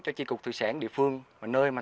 cho tri cục thủy sản địa phương nơi mà